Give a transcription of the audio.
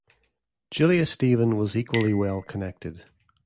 Julia Stephen was equally well connected.